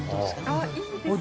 あっいいですね！